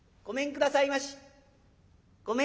ごめんくださいまし」。